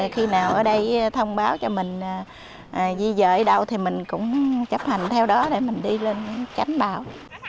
khi nào ở đây thông báo cho mình di dời ở đâu thì mình cũng chấp hành theo đó để mình đi lên tránh bão